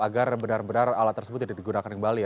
agar benar benar alat tersebut tidak digunakan kembali